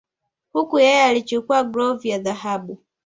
Huku yeye akichukua glov ya dhahabu